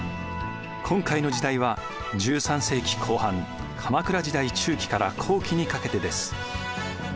今回の時代は１３世紀後半鎌倉時代中期から後期にかけてです。